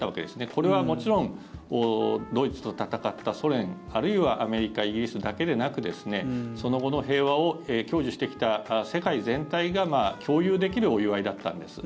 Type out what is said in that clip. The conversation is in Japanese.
これはもちろんドイツと戦ったソ連あるいはアメリカ、イギリスだけでなくその後の平和を享受してきた世界全体が共有できるお祝いだったんです。